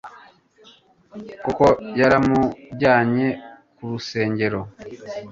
koko yaramujyanye ku rusengero